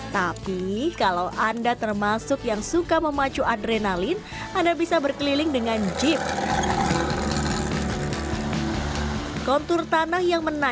tapi kalau anda termasuk yang suka memacu adrenalin anda bisa berkeliling dengan jeep